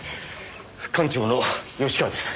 館長の吉川です。